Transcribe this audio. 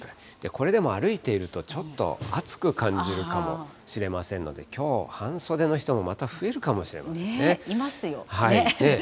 これでも歩いていると、ちょっと暑く感じるかもしれませんので、きょう半袖の人もまた増いますよね。